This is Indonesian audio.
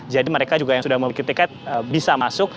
jadi mereka yang sudah memiliki tiket bisa masuk